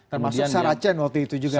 termasuk sarah chen waktu itu juga